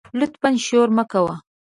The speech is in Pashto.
لطفآ شور مه کوه